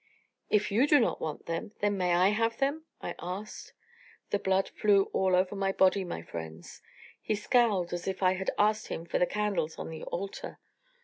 'If you do not want them, then may I have them?' I asked the blood flew all over my body, my friends. He scowled as if I had asked him for the candles on the altar.